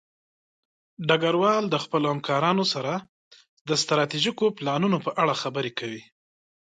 ډګروال د خپلو همکارانو سره د ستراتیژیکو پلانونو په اړه خبرې کوي.